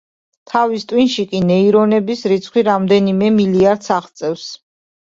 თავის ტვინში კი ნეირონების რიცხვი რამდენიმე მილიარდს აღწევს.